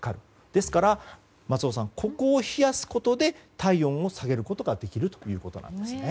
ですから、松尾さん、ここを冷やすことで体温を下げることができるということなんですね。